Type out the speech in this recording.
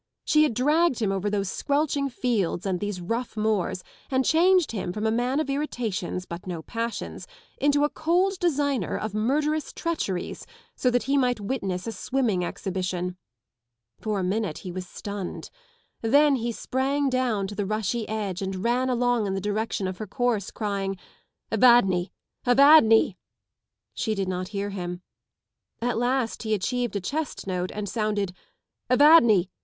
She had dragged him over those squelching fields and these rough moors and changed him from a man of irritations, bnt no passions, into a cold designer of murderous treacheries, so that he might witness a swimming exhibition! For a minute he was stunned. Then he sprang down to the rushy edge and ran along in the direction of her course, crying ŌĆö " Evadne! Evadnel " She did not hear him. At last he achieved a chest note and shouted ŌĆö " Evadne!